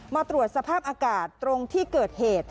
มาตรวจสภาพอากาศตรงที่เกิดเหตุ